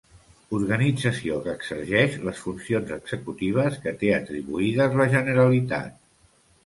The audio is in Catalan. Organització que exerceix les funcions executives que té atribuïdes la Generalitat.